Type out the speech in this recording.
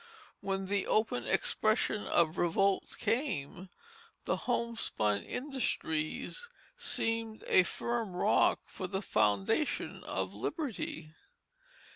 When the open expression of revolt came, the homespun industries seemed a firm rock for the foundation of liberty.